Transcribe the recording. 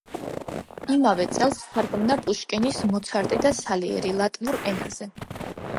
იმავე წელს თარგმნა პუშკინის „მოცარტი და სალიერი“ ლატვიურ ენაზე.